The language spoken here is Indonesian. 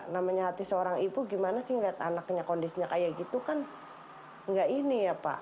namanya hati seorang ibu gimana sih ngeliat anaknya kondisinya kayak gitu kan nggak ini ya pak